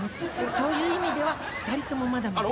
そういう意味では２人ともまだまだ。